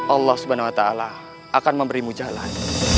allah swt akan memberimu jalan